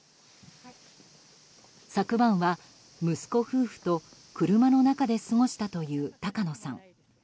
昨晩は息子夫婦と車の中で過ごしたという高野さん。